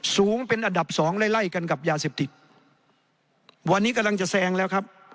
สูงเป็นอันดับสองไล่ไล่กันกับยาเสพติดวันนี้กำลังจะแซงแล้วครับ